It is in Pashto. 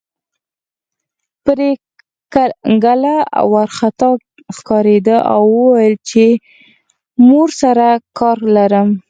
پري ګله وارخطا ښکارېده او ويل يې چې مور سره کار لرم